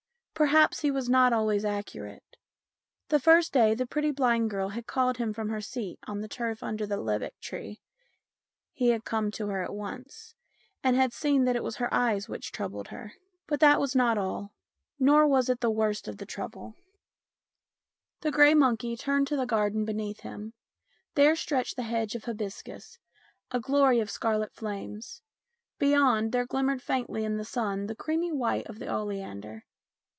Perhaps he was not always accurate. The first day the pretty blind girl had called him from her seat on the turf under the lebbek tree he had come to her at once, and had seen that it was her eyes which troubled her ; but that was not all, nor was it the worst of the trouble. 220 STORIES IN GREY The grey monkey turned to the garden beneath him. There stretched the hedge of hibiscus, a glory of scarlet flames. Beyond, there glimmered faintly in the sun the creamy white of the oleander.